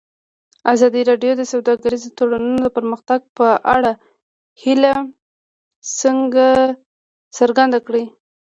ازادي راډیو د سوداګریز تړونونه د پرمختګ په اړه هیله څرګنده کړې.